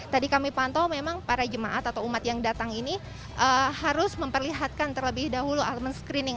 tadi kami pantau memang para jemaat atau umat yang datang ini harus memperlihatkan terlebih dahulu men screening